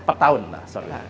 pertahun lah sorry